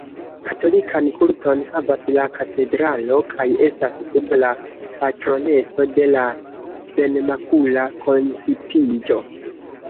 Katolikan kulton havas la katedralo, kaj estas sub la patroneco de la Senmakula koncipiĝo.